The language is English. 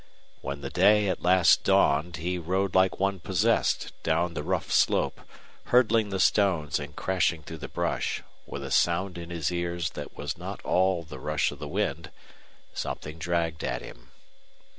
When the day at last dawned he rode like one possessed down the rough slope, hurdling the stones and crashing through the brush, with a sound in his ears that was not all the rush of the wind. Something dragged at him.